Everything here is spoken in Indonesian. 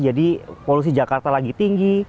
jadi polusi jakarta lagi tinggi